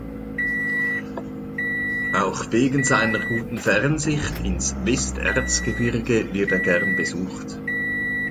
Auch wegen seiner guten Fernsicht ins Westerzgebirge wird er gern besucht.